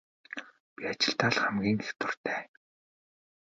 Би ажилдаа л хамгийн их дуртай.